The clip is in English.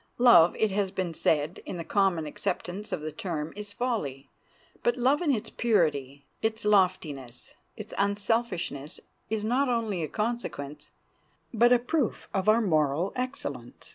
Love, it has been said, in the common acceptance of the term is folly; but love in its purity, its loftiness, its unselfishness is not only a consequence, but a proof of our moral excellence.